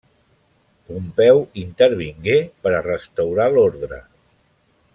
Pompeu intervingué per a restaurar l’ordre.